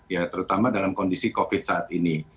ya terutama dalam kondisi covid saat ini